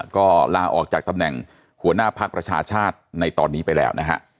ก็ลาออกจากตำแหน่งหัวหน้าพักประชาชาติในตอนนี้ไปแล้วนะฮะ